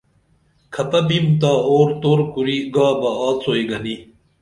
کھپہ بِیم تا اُور تُور کُری گابہ آڅوئی گنی